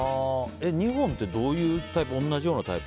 ２本って、どういう同じようなタイプ？